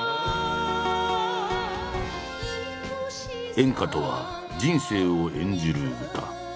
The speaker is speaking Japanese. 「演歌とは人生を演じる歌」。